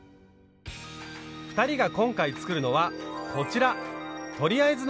２人が今回作るのはこちら。